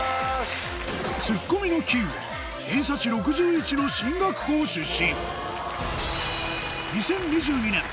ツッコミのきんは偏差値６１の進学校出身